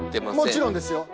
もちろんですよ。